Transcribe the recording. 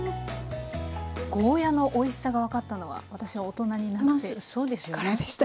ゴーヤーのおいしさが分かったのは私は大人になってからでした。